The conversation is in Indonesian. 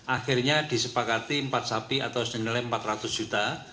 akhirnya disepakati empat sapi atau senilai empat ratus juta